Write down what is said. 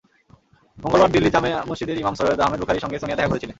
মঙ্গলবার দিল্লির জামা মসজিদের ইমাম সৈয়দ আহমেদ বুখারির সঙ্গে সোনিয়া দেখা করেছিলেন।